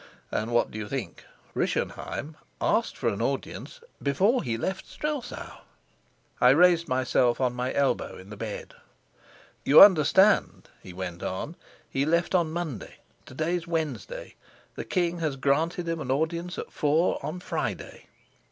And what do you think? Rischenheim asked for an audience before he left Strelsau." I raised myself on my elbow in the bed. "You understand?" he went on. "He left on Monday. To day's Wednesday. The king has granted him an audience at four on Friday.